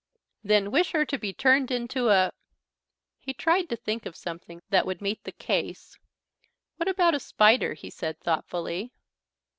"Then wish her to be turned into a " He tried to think of something that would meet the case. "What about a spider?" he said thoughtfully.